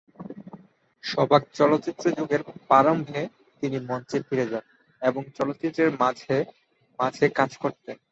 সবাক চলচ্চিত্র যুগের প্রারম্ভে তিনি মঞ্চে ফিরে যান এবং চলচ্চিত্রে মাঝে মাঝে কাজ করতেন।